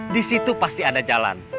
disitu pasti ada jalan